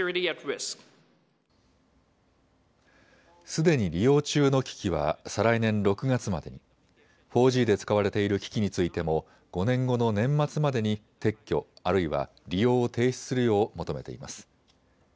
すでに利用中の機器は再来年６月までに４Ｇで使われている機器についても５年後の年末までに撤去、あるいは利用を停止するよう求めています。